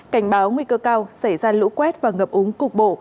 cảnh báo nguy cơ cao xảy ra lũ quét và ngập úng cục bộ